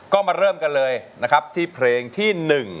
ก็มาเริ่มกันเลยนะครับที่เพลงที่๑